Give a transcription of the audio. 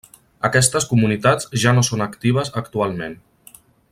Aquestes comunitats ja no són actives actualment.